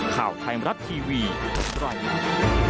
ข่าวไทยมรัฐทีวีไตล์มัน